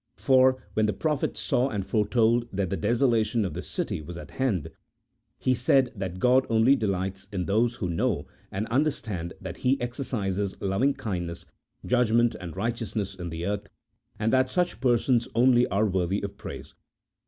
For when the prophet saw and foretold that the desolation of the city was at hand, he said that God only delights in those who know and un derstand that He exercises loving kindness, judgment, and righteousness in the earth, and that such persons only are worthy of praise.